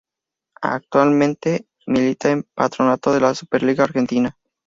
Actualmente milita en Patronato de la Superliga Argentina.